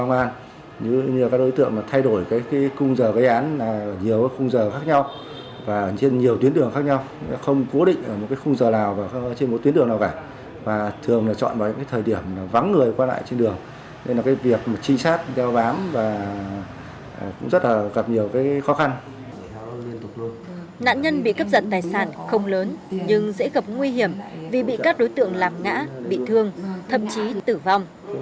nạn nhân bị cướp giật tài sản không lớn nhưng dễ gặp nguy hiểm vì bị các đối tượng làm ngã bị thương thậm chí tử vong